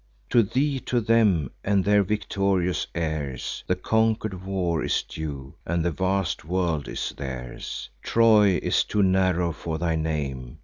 To thee, to them, and their victorious heirs, The conquer'd war is due, and the vast world is theirs. Troy is too narrow for thy name."